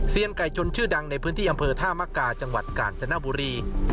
ไก่ชนชื่อดังในพื้นที่อำเภอท่ามกาจังหวัดกาญจนบุรี